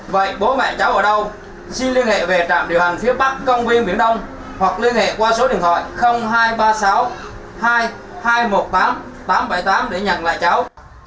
vậy bố mẹ cháu ở đâu xin liên hệ về trạm điều hành phía bắc công viên biển đông hoặc liên hệ qua số điện thoại hai trăm ba mươi sáu hai nghìn hai trăm một mươi tám tám trăm bảy mươi tám để nhận lại cháu